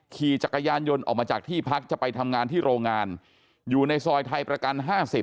ขี่จักรยานยนต์ออกมาจากที่พักจะไปทำงานที่โรงงานอยู่ในซอยไทยประกัน๕๐